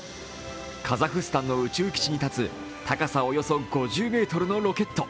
カザフスタンの宇宙基地にたつ高さおよそ５０ｍのロケット。